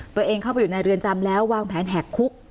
ตัวเองเข้าไปอยู่ในเรือนจำแล้ววางแผนแหกคุก